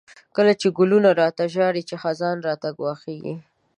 چی ګلونه ړاته ژاړی، چی خزان راته ګواښيږی